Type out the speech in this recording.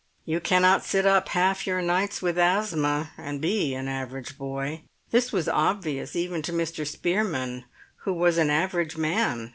You cannot sit up half your nights with asthma and be an average boy. This was obvious even to Mr. Spearman, who was an average man.